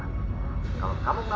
kalau kamu kenapa aku ketuk tak